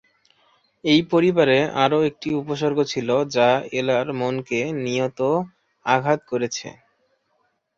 এই পরিবারে আরও একটি উপসর্গ ছিল যা এলার মনকে নিয়ত আঘাত করেছে।